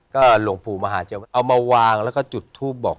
ก็หลวงปู่มหาเจวัดเอามาวางแล้วก็จุดทูปบอก